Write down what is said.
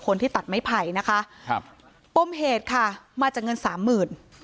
คนที่ตัดไม้ไผ่นะคะครับปมเหตุค่ะมาจากเงินสามหมื่น